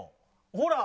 ほら。